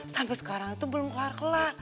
sampai sekarang itu belum kelar kelar